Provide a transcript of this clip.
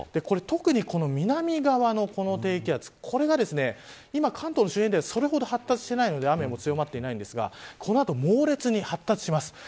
特にこの南側のこの低気圧これが今、関東の周辺ではそれほど発達していないので雨も強まってないんですがこの後、猛烈に発達します。